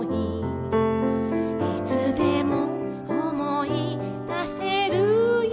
「いつでも思い出せるよ」